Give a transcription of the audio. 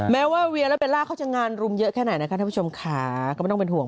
แม้ว่าเบลล่าเขาจะงานรุมเยอะแค่ไหนก็ไม่ต้องเป็นห่วง